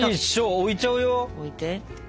置いて。